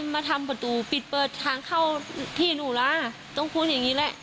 มาประตูปิดเปิดทางเข้าที่หนูล่ะต้องภูมิแบบนี้แหละ